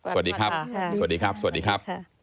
สวัสดีครับสวัสดีครับสวัสดีครับ